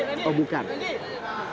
kami koreksi bukan menpora